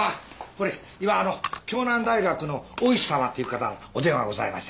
これ今あの「京南大学の大石さま」という方お電話ございましたです。